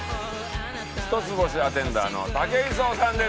一つ星アテンダーの武井壮さんです。